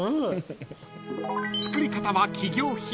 ［作り方は企業秘密］